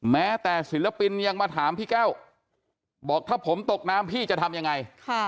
แม้แต่ศิลปินยังมาถามพี่แก้วบอกถ้าผมตกน้ำพี่จะทำยังไง